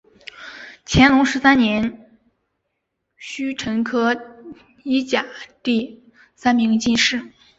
乾隆十三年戊辰科一甲第三名进士。